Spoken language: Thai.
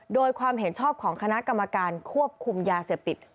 โดยความเห็นชอบของคณะกรรมการควบคุมยาเสพติด